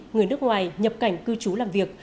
người nước ngoài nhập cảnh cư trú làm việc